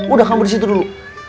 udah kamu disitu dulu